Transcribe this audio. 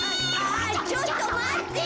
あちょっとまって！